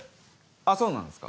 あっそうなんですか？